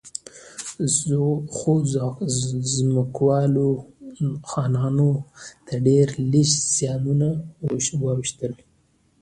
خو ځمکوالو خانانو ته ډېر لږ زیانونه واوښتل.